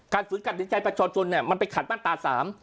การฝืนการตัดสินใจประชาชนเนี่ยมันเป็นขัดบ้านตาสาม